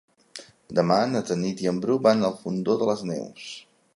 Demà na Tanit i en Bru van al Fondó de les Neus.